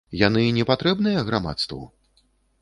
Яны не патрэбныя грамадству?